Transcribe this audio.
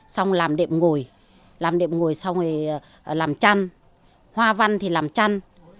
xong làm đệm ngồi làm đệm ngồi xong rồi làm chăn hoa văn thì làm chăn